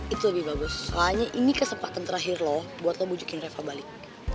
itu lebih bagus soalnya ini kesempatan terakhir loh buat lo bujukin reva balik